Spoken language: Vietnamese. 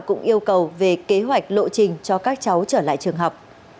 cũng yêu cầu về kế hoạch lộ trình cho các cháu trở lại trường học